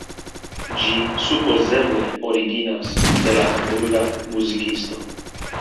Ĝi supozeble originas de la Hamburga muzikisto.